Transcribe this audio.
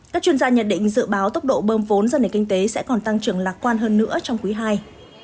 các chuyên gia nhận định dự báo tốc độ bơm vốn do nền kinh tế sẽ còn tăng trưởng lạc quan hơn nữa trong quý ii